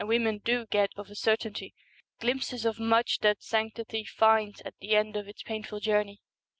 women do get of a certainty, glimpses of much that sanctity finds at the end of 192 its painful journey.